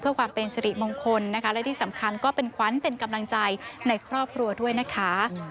เพื่อความเป็นสิริมงคลนะคะและที่สำคัญก็เป็นขวัญเป็นกำลังใจในครอบครัวด้วยนะคะ